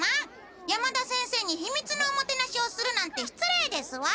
山田先生にひみつのおもてなしをするなんて失礼ですわ！